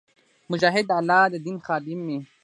مجاهد د الله د دین خادم وي.